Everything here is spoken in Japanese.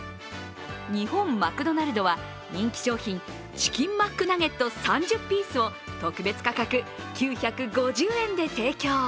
日本マクドナルドは人気商品、チキンマックナゲット３０ピースを特別価格９５０円で提供。